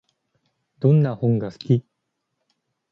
どんな本が好き？